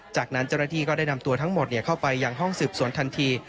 จากนั้นเจ้าหน้าที่ก็ได้นำตัวทั้งหมดเข้าไปยังห้องสืบสวนทันที